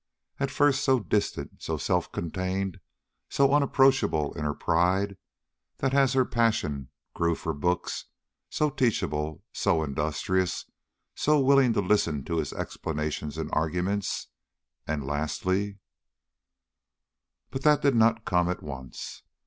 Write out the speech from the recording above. At first so distant, so self contained, so unapproachable in her pride; then as her passion grew for books, so teachable, so industrious, so willing to listen to his explanations and arguments; and lastly But that did not come at once.